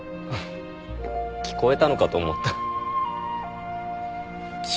聞こえたのかと思った。